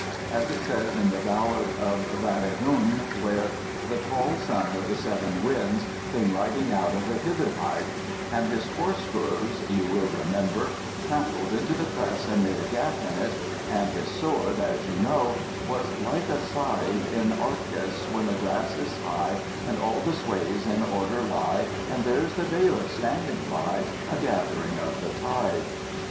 As it says in the Ballad of Val ès Dunes, where The tall son of the Seven Winds Came riding out of Hither hythe, and his horse hoofs (you will remember) trampled into the press and made a gap in it, and his sword (as you know) was like a scythe In Arcus when the grass is high And all the swathes in order lie, And there's the bailiff standing by A gathering of the tithe.